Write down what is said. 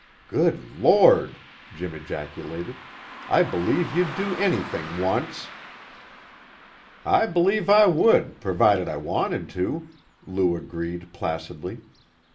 "Good Lord!" Jim ejaculated. "I believe you'd do anything once!" "I b'lieve I would, provided I wanted to," Lou agreed placidly.